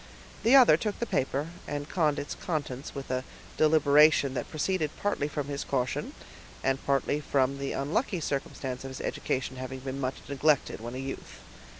The other took the paper, and conned its contents with a deliberation that proceeded partly from his caution, and partly from the unlucky circumstance of his education having been much neglected when a youth.